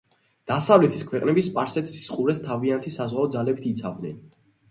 დასავლეთის ქვეყნები სპარსეთის ყურეს თავიანთი საზღვაო ძალებით იცავდნენ.